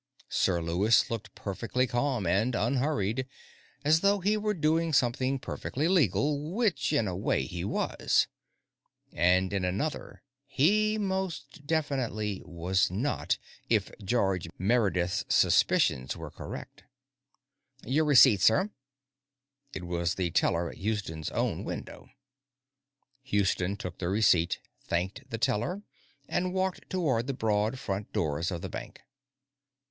Sir Lewis looked perfectly calm and unhurried, as though he were doing something perfectly legal which, in a way, he was. And, in another way, he most definitely was not, if George Meredith's suspicions were correct. "Your receipt, sir." It was the teller at Houston's own window. Houston took the receipt, thanked the teller, and walked toward the broad front doors of the bank.